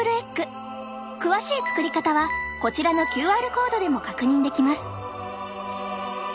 詳しい作り方はこちらのＱＲコードでも確認できます。